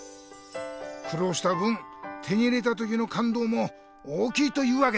くろうした分手に入れた時のかんどうも大きいというわけだな。